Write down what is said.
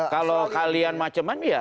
kalau kalian maceman ya